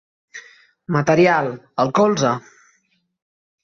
Material, el colze!